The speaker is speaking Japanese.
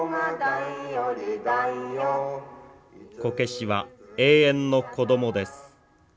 こけしは永遠の子どもです。